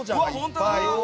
本当だ！